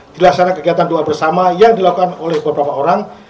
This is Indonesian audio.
dilaksanakan kegiatan doa bersama yang dilakukan oleh beberapa orang